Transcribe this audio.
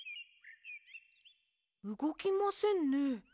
うごきませんね。